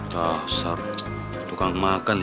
dasar tukang makan ya